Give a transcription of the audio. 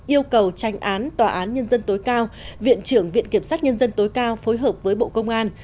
yêu cầu tranh án tòa án nhân dân tối cao viện trưởng viện kiểm sát nhân dân tối cao phối hợp với bộ công an